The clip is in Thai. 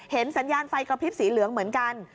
สัญญาณไฟกระพริบสีเหลืองเหมือนกัน